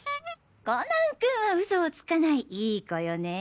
コナン君はウソをつかないいい子よね。